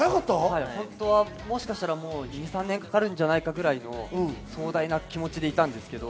本当はもしかしたら、２３年かかるんじゃないかなぐらいの壮大な気持ちで行ったんですけど。